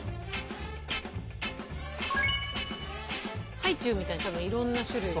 ハイチュウみたいに多分色んな種類がある。